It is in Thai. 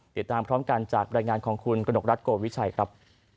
ติดตามพร้อมกันจากบรรยายงานของคุณกระหนกรัฐโกวิชัยครับ